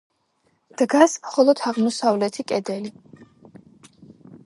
დგას მხოლოდ აღმოსავლეთი კედელი.